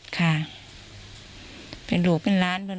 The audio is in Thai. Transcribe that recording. ค่ะเป็นลูกเป็นหลานเพลิน